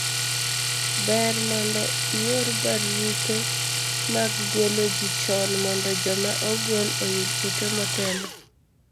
ber mondo ior barupe mag gwelo ji chon mondo joma ogwel oyud ote motelo